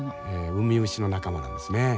ウミウシの仲間なんですね。